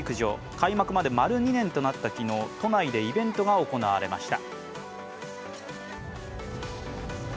開幕まで丸２年となった昨日、都内でイベントが行われました。